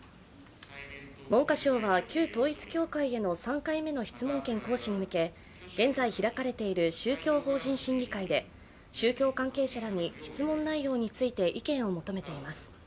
文科省は旧統一教会への３回目の質問権行使に向け現在開かれている宗教法人審議会で宗教関係者らに、質問内容について意見を求めています。